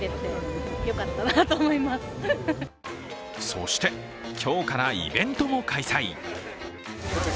そして、今日からイベントも開催